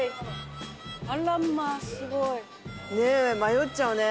ねえ迷っちゃうね。